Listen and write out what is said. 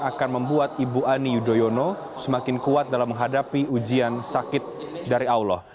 akan membuat ibu ani yudhoyono semakin kuat dalam menghadapi ujian sakit dari allah